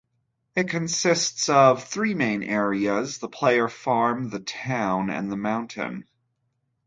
It consists of three main areas: the player's farm, the town, and the mountain.